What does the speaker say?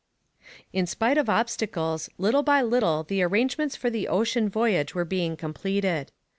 In spite of obstacles, little by little the arrangements for the ocean voyage were being completed.